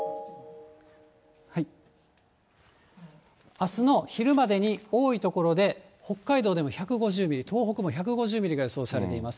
あすの昼までに多い所で北海道でも１５０ミリ、東北も１５０ミリが予想されています。